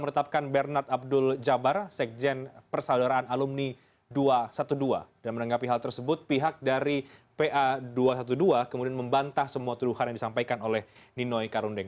dan juga memantah semua tuduhan yang disampaikan oleh nino ika rundeng